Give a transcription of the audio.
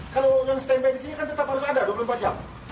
kalau orang standby di sini kan tetap harus ada dua puluh empat jam